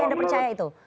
anda percaya itu